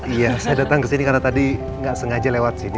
iya saya datang kesini karena tadi gak sengaja lewat sini